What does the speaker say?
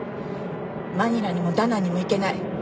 マニラにもダナンにも行けない。